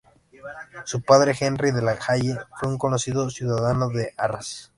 Su padre, Henri de la Halle, fue un conocido ciudadano de Arras.